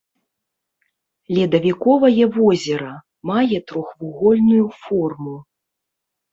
Ледавіковае возера, мае трохвугольную форму.